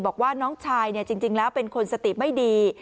บอกว่าน้องชายจริงแล้วเป็นคนสติไม่ดี